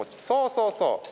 そうそうそう。